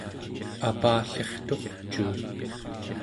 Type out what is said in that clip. apallirturcuun